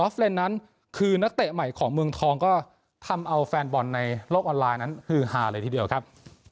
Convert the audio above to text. เลนนั้นคือนักเตะใหม่ของเมืองทองก็ทำเอาแฟนบอลในโลกออนไลน์นั้นฮือฮาเลยทีเดียวครับ